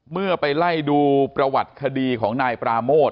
เมื่อไปไล่ดูประวัติคดีของนายปราโมท